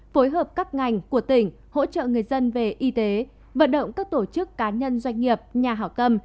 phối hợp các ngành của tỉnh hỗ trợ người dân về y tế vận động các tổ chức cá nhân doanh nghiệp nhà hảo tâm